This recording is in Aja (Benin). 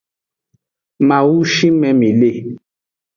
Mawu shime mi le.